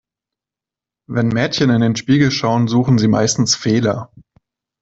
Wenn Mädchen in den Spiegel schauen, suchen sie meistens Fehler.